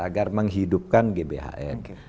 agar menghidupkan gbhn